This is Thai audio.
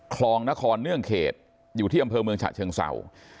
คลองนครเนื่องเขตอยู่ที่อำเภอเมืองฉะเชิงเศร้า